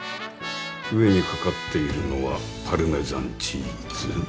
上にかかっているのはパルメザンチーズ？